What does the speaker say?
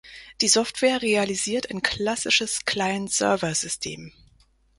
Die Software realisiert ein klassisches Client-Server-System.